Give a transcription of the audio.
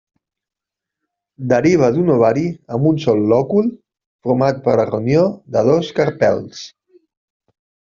Deriva d'un ovari amb un sol lòcul format per la reunió de dos carpels.